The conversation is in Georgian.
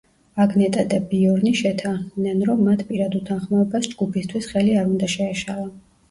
აგნეტა და ბიორნი შეთანხმდნენ, რომ მათ პირად უთანხმოებას ჯგუფისთვის ხელი არ უნდა შეეშალა.